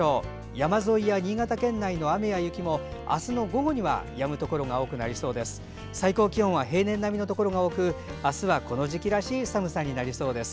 山沿いや新潟県内の雨や雪も明日の午後にはやむところが多くなりそうです。